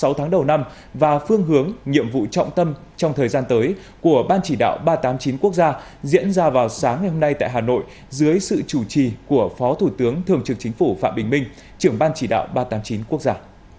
sáu tháng đầu năm và phương hướng nhiệm vụ trọng tâm trong thời gian tới của ban chỉ đạo ba trăm tám mươi chín quốc gia diễn ra vào sáng ngày hôm nay tại hà nội dưới sự chủ trì của phó thủ tướng thường trực chính phủ phạm bình minh trưởng ban chỉ đạo ba trăm tám mươi chín quốc gia